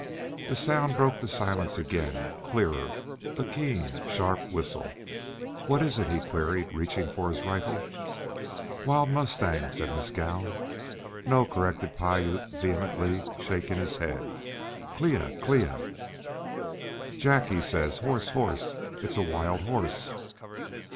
The sound broke the silence again, clearer, a keen, sharp whistle. "What is it?" he queried, reaching for his rifle. "Wild mustangs," said Mescal. "No," corrected Piute, vehemently shaking his head. "Clea, Clea." "Jack, he says 'horse, horse.' It's a wild horse."